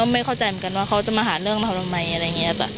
ไม่เข้าใจเหมือนกันว่าเขาจะมาหาเรื่องทำทำไม